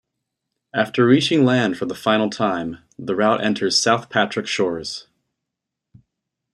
After reaching land for the final time, the route enters South Patrick Shores.